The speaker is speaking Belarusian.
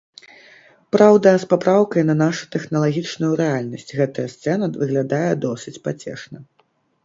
Праўда, з папраўкай на нашу тэхналагічную рэальнасць гэтая сцэна выглядае досыць пацешна.